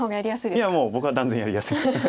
いやもう僕は断然やりやすい。